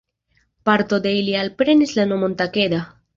Parto de ili alprenis la nomon Takeda.